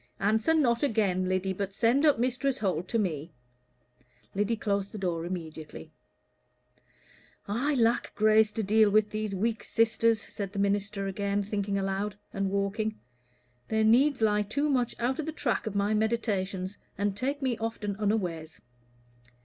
"Answer not again, Lyddy, but send up Mistress Holt to me." Lyddy closed the door immediately. "I lack grace to deal with these weak sisters," said the minister, again thinking aloud, and walking. "Their needs lie too much out of the track of my meditations, and take me often unawares.